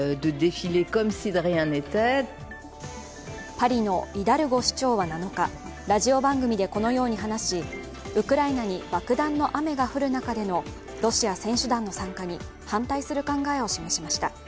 パリのイダルゴ市長は７日ラジオ番組でこのように話しウクライナに爆弾の雨が降る中でのロシア選手団の参加に反対する考えを示しました。